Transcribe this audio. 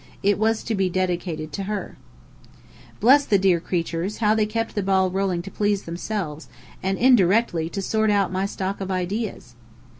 It was to be dedicated to her. Bless the dear creatures, how they kept the ball rolling to please themselves, and indirectly to sort out my stock of ideas!